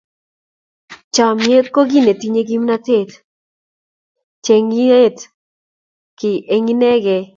Chomnyet ko kei netinyei kimnatet, cheing'eti kei ne inegei.